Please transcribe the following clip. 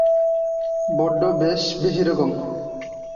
বড্ড বেশি কমন।